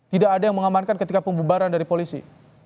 tidak ada yang mengamankan ketika pembubaran dari polisi